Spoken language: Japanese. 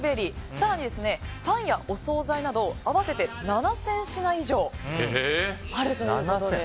更にパンやお総菜など合わせて７０００品以上あるということです。